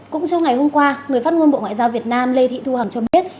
cũng trong ngày hôm qua người phát ngôn bộ ngoại giao việt nam lê thị thu hằng cho biết